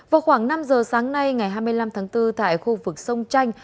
vào khoảng năm giờ sáng nay ngày hai mươi năm tháng bốn tại khu vực sông tranh